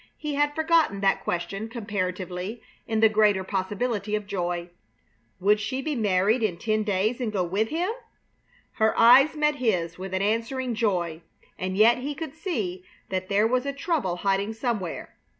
He had forgotten that question, comparatively, in the greater possibility of joy. Would she be married in ten days and go with him? Her eyes met his with an answering joy, and yet he could see that there was a trouble hiding somewhere.